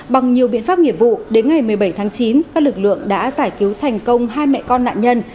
bằng nhiều biện pháp nghiệp vụ đến ngày một mươi bảy tháng chín các lực lượng đã giải cứu thành công hai mẹ con nạn nhân